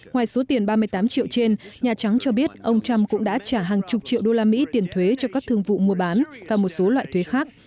ngoài số tiền ba mươi tám triệu trên nhà trắng cho biết ông trump cũng đã trả hàng chục triệu đô la mỹ tiền thuế cho các thương vụ mua bán và một số loại thuế khác